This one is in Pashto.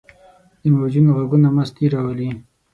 د موجونو ږغونه مستي راولي.